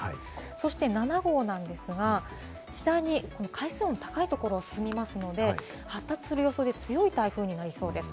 そして７号なんですが、海水温高いところに進みますので、発達する予想で、強い台風になりそうです。